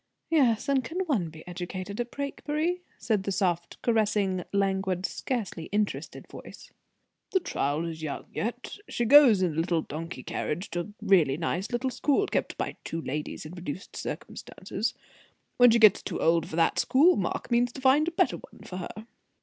"Yes? And can one be educated at Brakebury?" said the soft, caressing, languid, scarcely interested voice. "The child is very young yet. She goes in a little donkey carriage to a really nice little school, kept by two ladies in reduced circumstances. When she gets too old for that school, Mark means to find a better one for her."